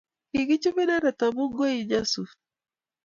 Kokichup inendet amun koin nyasut.